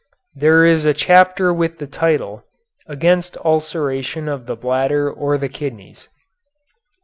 There is a chapter with the title, "Against Ulceration of the Bladder or the Kidneys."